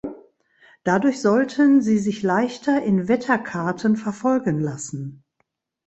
Dadurch sollten sie sich leichter in Wetterkarten verfolgen lassen.